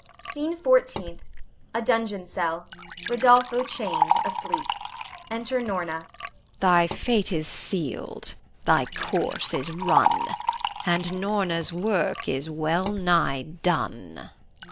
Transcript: SCENE FOURTEENTH. [A dungeon cell. Rodolpho chained, asleep. Enter Norna.] Norna. Thy fate is sealed, thy course is run, And Norna's work is well nigh done.